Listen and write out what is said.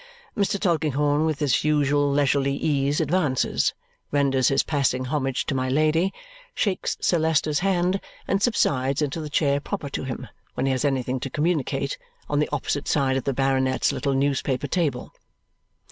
Mr. Tulkinghorn with his usual leisurely ease advances, renders his passing homage to my Lady, shakes Sir Leicester's hand, and subsides into the chair proper to him when he has anything to communicate, on the opposite side of the Baronet's little newspaper table.